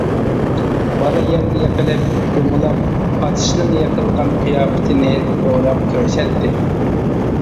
بالا يەرگە يىقىلىپ، دومىلاپ، ئاتىسىنىڭ يىقىلغان قىياپىتىنى دوراپ كۆرسەتتى.